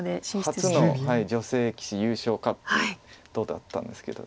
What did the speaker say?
「初の女性棋士優勝か？」っていうことだったんですけど。